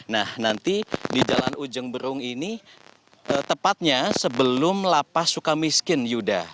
nah nanti di jalan ujung berung ini tepatnya sebelum lapas suka miskin yuda